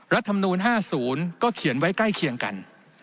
รัฐมนูล๕๐ก็เขียนไว้ใกล้เคียงกัน